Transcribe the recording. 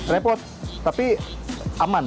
repot tapi aman